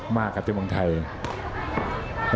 มากครับเต็มองไทย